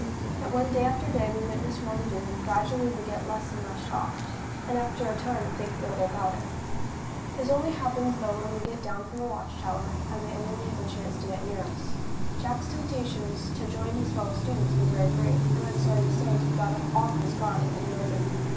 But when day after day we witness wrong doing, gradually we get less and less shocked, and after a time think little about it. This only happens though when we get down from our watch tower, and the enemy has a chance to get near to us. Jack's temptations to join his fellow students were very great, and I am sorry to say, he got "off his guard," and yielded.